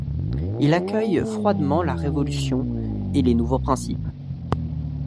Il accueille froidement la Révolution et les nouveaux principes.